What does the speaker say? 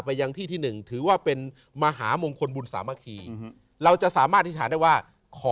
ยังที่ที่หนึ่งถือว่าเป็นมหามงคลบุญสามัคคีเราจะสามารถอธิษฐานได้ว่าขอ